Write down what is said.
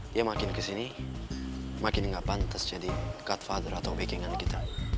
dia makin kesini makin nggak pantas jadi cardfather atau backing an kita